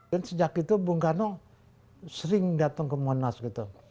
dan sejak itu bung karno sering datang ke monas gitu